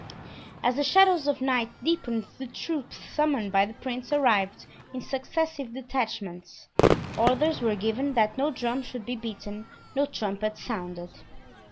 As the shadows of night deepened the troops summoned by the prince arrived in successive detachments. Orders were given that no drum should be beaten, no trumpet sounded.